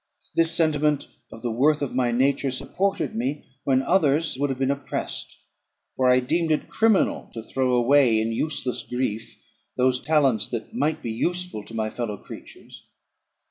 This sentiment of the worth of my nature supported me, when others would have been oppressed; for I deemed it criminal to throw away in useless grief those talents that might be useful to my fellow creatures.